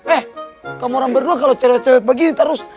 eh kamu orang berdua kalau cerewet cerewet begini terus